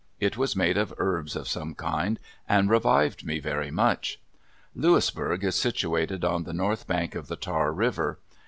It was made of herbs of some kind, and revived me very much. Louisburg is situated on the north bank of the Tar River.